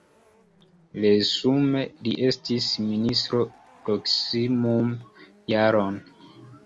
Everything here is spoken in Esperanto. Resume li estis ministro proksimume jaron.